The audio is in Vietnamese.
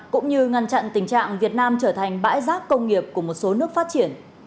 cũng như ngăn chặn tình trạng việt nam trở thành bãi rác công nghiệp của một số nước phát triển